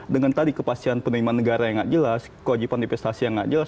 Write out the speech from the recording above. dengan tadi kepastian penerimaan negara yang tidak jelas kewajiban manifestasi yang tidak jelas